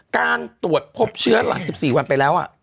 การตรวจพบเชื้อหลัก๑๔วันไปแล้ว